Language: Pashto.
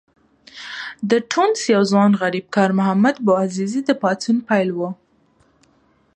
د ټونس یو ځوان غریبکار محمد بوعزیزي د پاڅون پیل و.